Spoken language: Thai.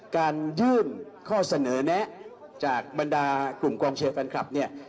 การยื่นข้อเสนอแนะจากบรรดากลุ่มกองเชียร์แฟนคลับเนี่ย